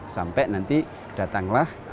sampai nanti datanglah